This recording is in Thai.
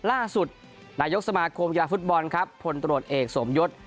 ล่าสุดนายกสมาคมกีฬาฟุตบอลครับพลตรวจเอกสมยศ